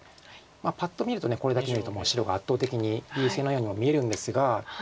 パッと見るとこれだけ見ると白が圧倒的に優勢のようにも見えるんですが。